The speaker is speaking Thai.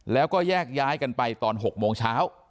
แล้วก็แยกย้ายกันไปตอน๖โมงเช้า